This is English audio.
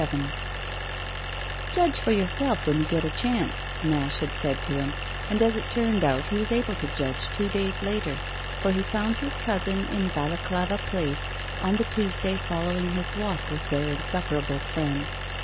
XXXVII "Judge for yourself when you get a chance," Nash had said to him; and as it turned out he was able to judge two days later, for he found his cousin in Balaklava Place on the Tuesday following his walk with their insufferable friend.